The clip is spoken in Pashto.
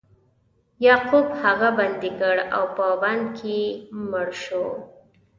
یعقوب هغه بندي کړ او په بند کې مړ شو.